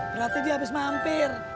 berarti dia abis mampir